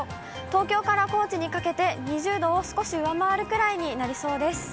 東京から高知にかけて、２０度を少し上回るくらいになりそうです。